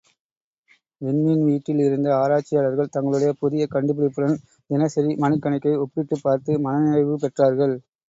விண்மீன் வீட்டில் இருந்த ஆராய்ச்சியாளர்கள், தங்களுடைய புதிய கண்டுபிடிப்புடன், தினசரி மணிக்கணக்கை ஒப்பிட்டுப் பார்த்து மன நிறைவு பெற்றார்கள்.